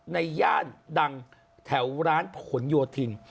ย่านดังแถวร้านผลโยธิน